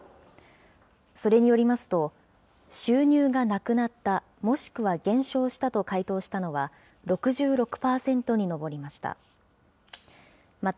それによりますと、収入がなくなった、もしくは減少したと回答したのは６６％に上りました。